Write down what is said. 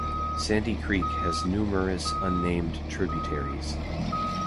Sandy Creek has numerous unnamed tributaries.